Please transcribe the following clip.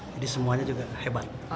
jadi semuanya juga hebat sekali